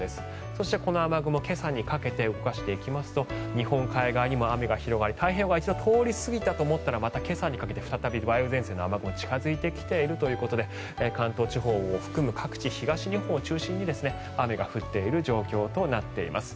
そして、この雨雲今朝にかけて動かしていきますと日本海側にも雨が広がり太平洋側、一度通り過ぎたと思ったらまた今朝にかけて再び梅雨前線の雨雲が近付いてきているということで関東地方を含む各地東日本を中心に雨が降っている状況となっています。